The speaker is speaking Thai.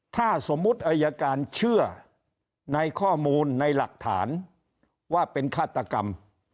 ถ้าสมมุติอายการเชื่อในข้อมูลในหลักฐานว่าเป็นฆาตกรรม